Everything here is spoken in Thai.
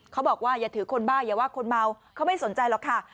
อย่าถือคนบ้าอย่าว่าคนเมาเขาไม่สนใจหรอกค่ะ